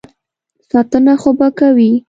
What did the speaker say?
ساتنه خو به کوي.